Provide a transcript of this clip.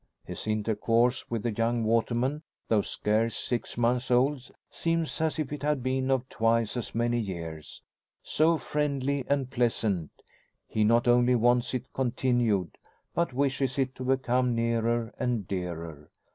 His intercourse with the young waterman, though scarce six months old, seems as if it had been of twice as many years; so friendly and pleasant, he not only wants it continued, but wishes it to become nearer and dearer.